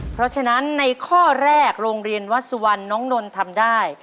เพราะฉะนั้นในข้อแรกโรงเรียนวัดสุวรรณน้องนนท์ทำได้